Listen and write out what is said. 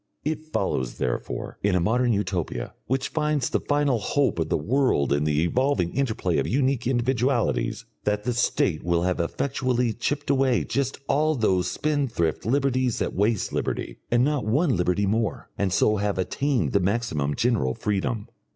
It follows, therefore, in a modern Utopia, which finds the final hope of the world in the evolving interplay of unique individualities, that the State will have effectually chipped away just all those spendthrift liberties that waste liberty, and not one liberty more, and so have attained the maximum general freedom.